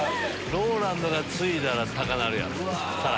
ＲＯＬＡＮＤがついだら高なるやろ。